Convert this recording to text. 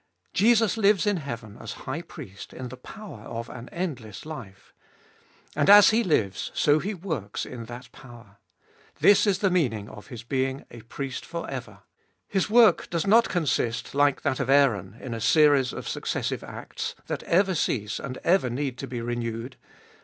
Jesus lives in heaven as High Priest in the power of an endless life. And as He lives, so He works in that power. This is the meaning of His being a Priest for ever. His work does not consist, like that of Aaron, in a series of successive acts, that ever cease, and ever need to be renewed.